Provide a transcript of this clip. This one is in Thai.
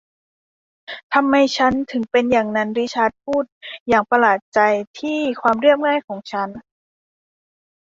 ทำไมฉันถึงเป็นอย่างนั้นริชาร์ดพูดอย่างประหลาดใจที่ความเรียบง่ายของฉัน